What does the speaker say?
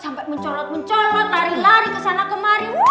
sampai mencolot mencolot lari lari kesana kemari